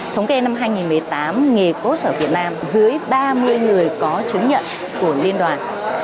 thống kê năm hai nghìn một mươi tám nghề post ở việt nam dưới ba mươi người có chứng nhận của liên đoàn